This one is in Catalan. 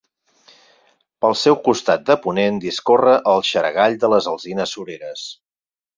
Pel seu costat de ponent discorre el Xaragall de les Alzines Sureres.